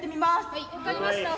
はい分かりました。